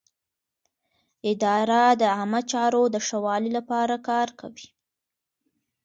اداره د عامه چارو د ښه والي لپاره کار کوي.